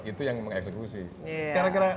itu yang mengeksekusi kira kira